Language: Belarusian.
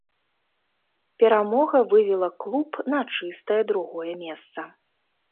Перамога вывела клуб на чыстае другое месца.